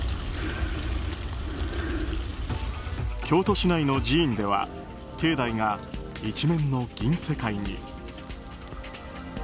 京都市内の寺院では境内が一面の銀世界に。